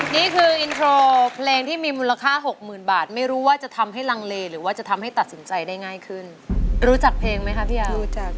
นี่คืออินโทรเพลงที่มีมูลค่า๖๐๐๐บาทไม่รู้ว่าจะทำให้ลังเลหรือว่าจะทำให้ตัดสินใจได้ง่ายขึ้นรู้จักเพลงไหมคะพี่อารู้จัก